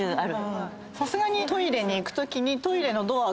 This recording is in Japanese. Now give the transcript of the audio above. さすがにトイレに行くときトイレのドア